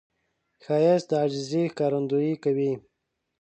ښایست د عاجزي ښکارندویي کوي